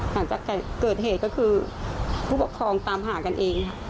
หลังจากเกิดเหตุก็คือผู้ปกครองตามหากันเองค่ะ